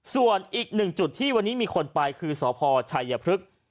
ส่วนอีกหนึ่งจุดที่วันนี้มีคนไปคือสพชัยพฤกษ์